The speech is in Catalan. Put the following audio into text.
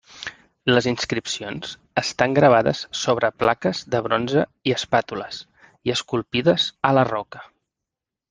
Les inscripcions estan gravades sobre plaques de bronze i espàtules, i esculpides a la roca.